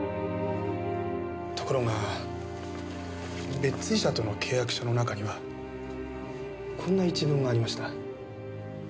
ところがベッツィー社との契約書の中にはこんな一文がありました。